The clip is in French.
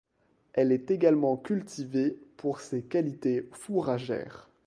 Elle est également cultivée pour ses qualités fourragères.